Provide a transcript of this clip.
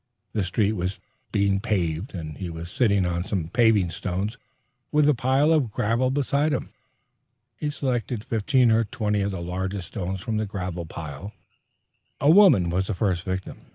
The street was being paved, and he was sitting on some paving stones, with a pile of gravel beside him. He selected fifteen or twenty of the largest stones from the gravel pile. A woman was the first victim.